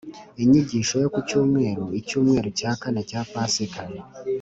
inyigisho yo ku cyumweru, icyumweru cya kane cya pasika